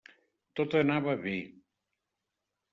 Tot anava bé.